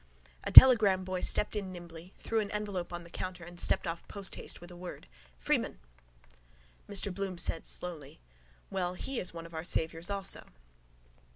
A telegram boy stepped in nimbly, threw an envelope on the counter and stepped off posthaste with a word: —Freeman! Mr Bloom said slowly: —Well, he is one of our saviours also.